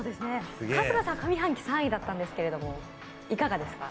春日さん上半期３位だったんですけれどもいかがですか？